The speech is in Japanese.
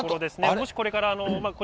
もしこれから。